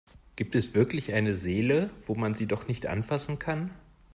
Gibt es wirklich eine Seele, wo man sie doch nicht anfassen kann?